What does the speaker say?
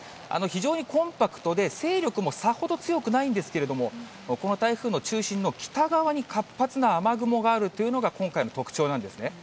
非常にコンパクトで勢力もさほど強くないんですけれども、この台風の中心の北側に活発な雨雲があるというのが、今回の特徴なんですね。